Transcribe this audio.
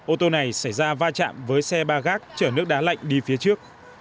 ô tô này xảy ra va chạm với xe ba gác chở nước đá lạnh đi phía trước